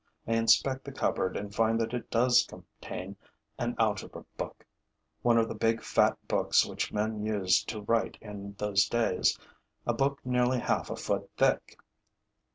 I inspect the cupboard and find that it does contain an algebra book, one of the big, fat books which men used to write in those days, a book nearly half a foot thick.